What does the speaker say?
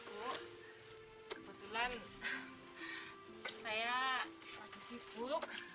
kebetulan saya lagi sibuk